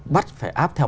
bắt phải áp theo